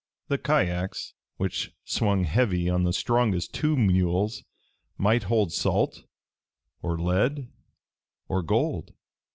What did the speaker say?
The kyacks which swung heavy on the strongest two mules might hold salt or lead or gold.